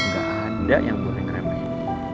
gak ada yang boleh ngeremehin